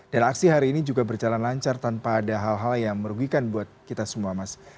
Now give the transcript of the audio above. dan aksi hari ini juga berjalan lancar tanpa ada hal hal yang merugikan buat kita semua mas